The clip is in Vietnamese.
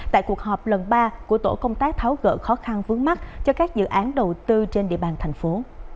tại cuộc họp lần ba của tổ công tác tháo gỡ khó khăn vướng mắt cho các dự án đầu tư trên địa bàn thành phố